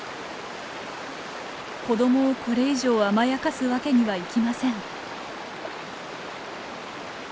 子どもをこれ以上甘やかすわけにはいきません。